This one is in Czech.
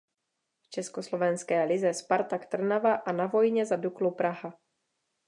V československé lize Spartak Trnava a na vojně za Duklu Praha.